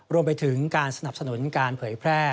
รวมไปถึงการสนับสนุนการเผยแพร่